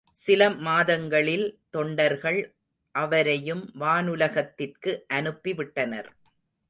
சில மாதங்களில் தொண்டர்கள் அவரையும் வானுலகத்திற்கு அனுப்பி விட்டனர்.